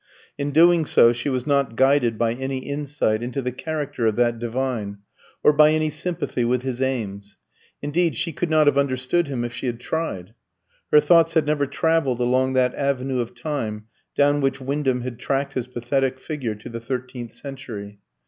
In doing so she was not guided by any insight into the character of that divine, or by any sympathy with his aims. Indeed she could not have understood him if she had tried. Her thoughts had never travelled along that avenue of time down which Wyndham had tracked his pathetic figure to the thirteenth century.